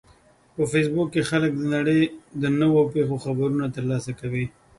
په فېسبوک کې خلک د نړۍ د نوو پیښو خبرونه ترلاسه کوي